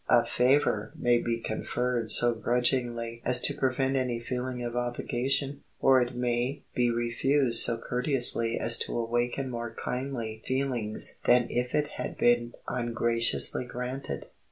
A favor may be conferred so grudgingly as to prevent any feeling of obligation, or it may be refused so courteously as to awaken more kindly feelings than if it had been ungraciously granted.